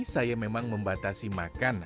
saya memang membatasi makan